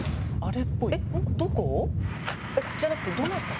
どこ？じゃなくてどなたが？